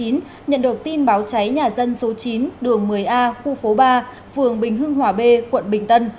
nhận được tin báo cháy nhà dân số chín đường một mươi a khu phố ba phường bình hưng hòa b quận bình tân